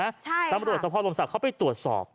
ใช่ค่ะตำรวจสมภาษาลงรรมศาสตร์เข้าไปตรวจสอบ